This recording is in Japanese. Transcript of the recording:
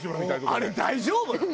あれ大丈夫なの？